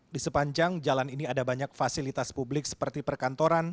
di sepanjang jalan ini ada banyak fasilitas publik seperti perkantoran